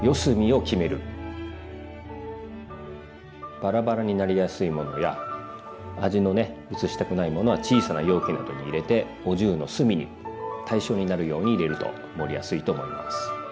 バラバラになりやすいものや味のねうつしたくないものは小さな容器などに入れてお重の隅に対称になるように入れると盛りやすいと思います。